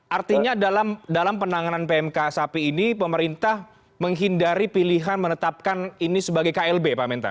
artinya dalam penanganan pmk sapi ini pemerintah menghindari pilihan menetapkan ini sebagai klb pak mentan